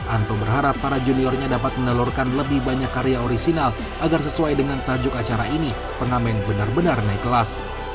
anto berharap para juniornya dapat menelurkan lebih banyak karya orisinal agar sesuai dengan tajuk acara ini pengamen benar benar naik kelas